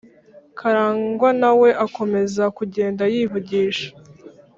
karangwa na we akomeza kugenda yivugisha